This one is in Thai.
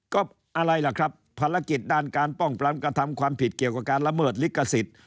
ก็อะไรล่ะครับภารกิจด้านการป้องปรามกระทำความผิดเกี่ยวกับการละเมิดลิขสิทธิ์